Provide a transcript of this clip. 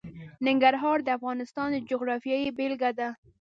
ننګرهار د افغانستان د جغرافیې بېلګه ده.